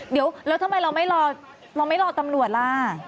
เดี๋ยวแล้วทำไมเราไม่รอตำรวจล่ะ